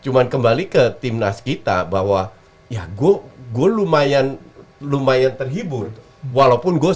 cuman kembali ke tim nas kita bahwa ya gua gua lumayan lumayan terhibur walaupun gua